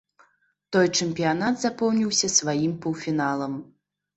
Той чэмпіянат запомніўся сваім паўфіналам.